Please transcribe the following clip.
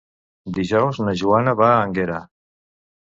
Dijous na Joana va a Énguera.